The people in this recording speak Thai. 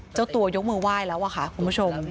เจ้าตัวยกมือไหว้แล้วค่ะคุณผู้ชม